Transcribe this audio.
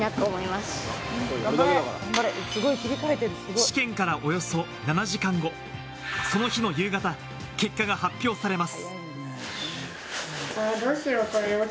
試験からおよそ７時間後、その日の夕方、結果が発表されます。